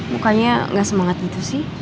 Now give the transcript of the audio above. mukanya gak semangat gitu sih